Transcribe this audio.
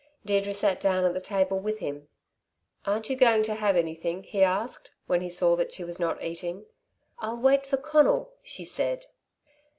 Deirdre sat down at the table with him. "Aren't you going to have anything?" he asked when he saw that she was not eating. "I'll wait for Conal," she said.